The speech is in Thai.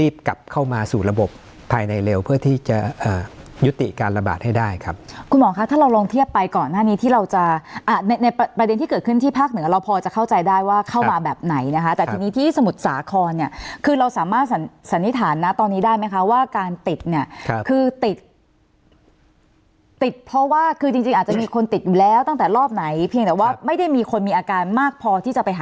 พบภายในเร็วเพื่อที่จะยุติการระบาดให้ได้ครับคุณหมอค่ะถ้าเราลองเทียบไปก่อนหน้านี้ที่เราจะในประเด็นที่เกิดขึ้นที่ภาคเหนือเราพอจะเข้าใจได้ว่าเข้ามาแบบไหนนะคะแต่ทีนี้ที่สมุทรสาคอนเนี่ยคือเราสามารถสันนิษฐานนะตอนนี้ได้ไหมคะว่าการติดเนี่ยคือติดติดเพราะว่าคือจริงอาจจะมีคนติดแล้วตั้งแต่รอบไ